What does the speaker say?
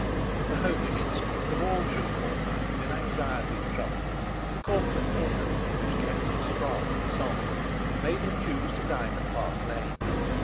The homing instinct of all true Forsytes in anxiety and trouble, the corporate tendency which kept them strong and solid, made him choose to dine at Park Lane.